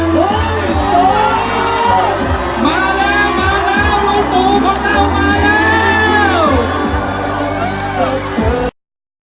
ว้าวมาแล้วมาแล้วมันต้องมาแล้วมาแล้ว